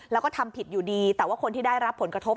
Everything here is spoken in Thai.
แล้วก็ทำผิดอยู่ดีแต่ว่าคนที่ได้รับผลกระทบ